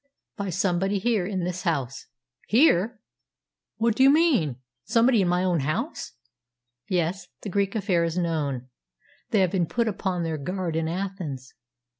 "By somebody here in this house." "Here! What do you mean? Somebody in my own house?" "Yes. The Greek affair is known. They have been put upon their guard in Athens."